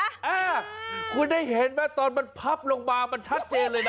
อ่าคุณได้เห็นไหมตอนมันพับลงมามันชัดเจนเลยนะ